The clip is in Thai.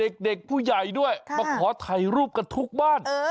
เด็กผู้ใหญ่ด้วยมาขอถ่ายรูปกันทุกบ้าน